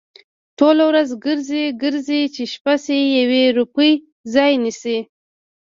ټوله ورځ گرځي، گرځي؛ چې شپه شي د يوې روپۍ ځای نيسي؟